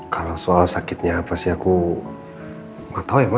kalau soal sakitnya apa sih aku gak tau ya ma